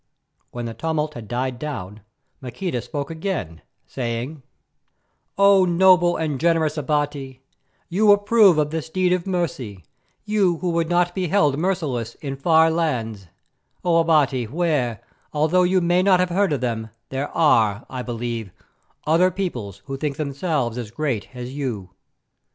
When the tumult had died down Maqueda spoke again saying: "O noble and generous Abati, you approve of this deed of mercy; you who would not be held merciless in far lands, O Abati, where, although you may not have heard of them, there are, I believe, other peoples who think themselves as great as you.